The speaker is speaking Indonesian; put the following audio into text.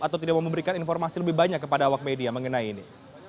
atau tidak mau memberikan informasi lebih banyak kepada awak media mengenai ini